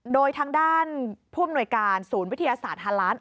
โดยทางด้านผู้อำนวยการศูนย์วิทยาศาสตร์ฮาล้าน